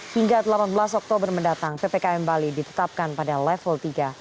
hingga delapan belas oktober mendatang ppkm bali ditetapkan pada level tiga